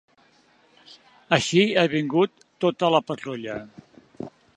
Així ha vingut tota la patrulla!